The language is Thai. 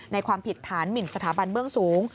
ความผิดฐานหมินสถาบันเบื้องสูง